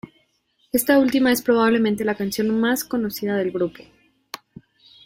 Esta última es probablemente la canción más conocida del grupo.